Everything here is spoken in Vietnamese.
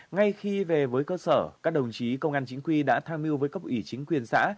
ngay khi về với cơ sở các đồng chí công an chính quy đã tham mưu với cấp ủy chính quyền xã